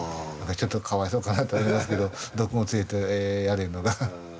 ちょっとかわいそうかなと思いますけどどこも連れてやれんのが。